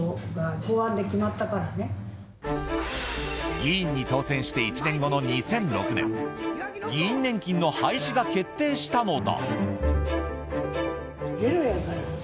議員に当選して１年後の２００６年議員年金の廃止が決定したのだ。